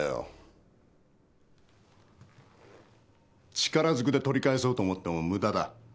力ずくで取り返そうと思ってもムダだ。